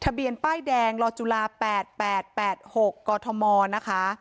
ทะเบียนป้ายแดงลอจุฬาแปดแปดแปดหกก่อทมนะคะ